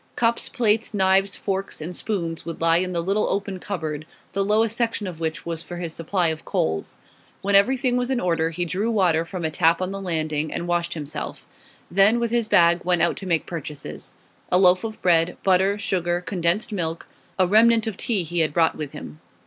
Cups, plates, knives, forks, and spoons would lie in the little open cupboard, the lowest section of which was for his supply of coals. When everything was in order he drew water from a tap on the landing and washed himself; then, with his bag, went out to make purchases. A loaf of bread, butter, sugar, condensed milk; a remnant of tea he had brought with him.